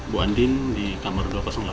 bu andin di kamar dua ratus delapan